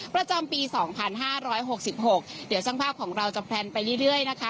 ประจำปี๒๕๖๖เดี๋ยวช่างภาพของเราจะแพลนไปเรื่อยนะคะ